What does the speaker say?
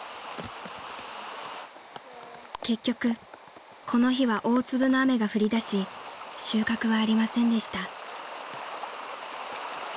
［結局この日は大粒の雨が降りだし収穫はありませんでした］